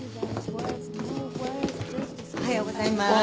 おはようございます。